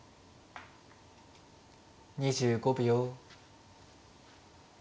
２５秒。